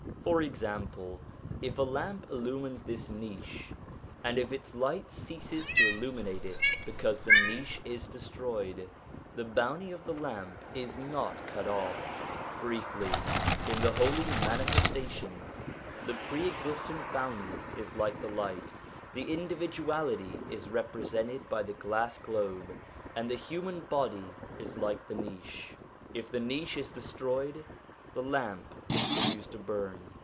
For example, if a lamp illumines this niche, and if its light ceases to illuminate it because the niche is destroyed, the bounty of the lamp is not cut off. Briefly, in the Holy Mani festations the Pre existent Bounty is like the light, the individuality is represented by the glass globe, and the human body is like the niche : if the niche is destroyed, the lamp continues to burn.